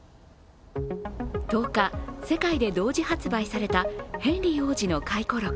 １０日、世界で同時発売されたヘンリー王子の回顧録。